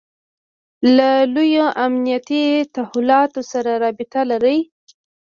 له لویو امنیتي تحولاتو سره رابطه لري.